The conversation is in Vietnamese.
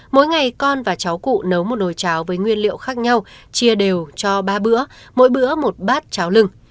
mỗi ngày con và cháu cụ nấu một nồi cháo với nguyên liệu khác nhau chia đều cho ba bữa mỗi bữa một bát cháo lưng